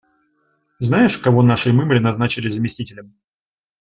Знаешь, кого нашей мымре назначили заместителем?